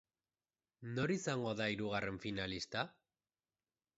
Nor izango da hirugarren finalista?